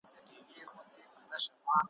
ګیله له خپلو کېږي ,